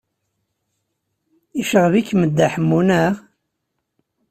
Yecɣeb-ikem Dda Ḥemmu, naɣ?